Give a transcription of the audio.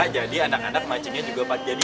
jadi anak anak pancingnya juga pak d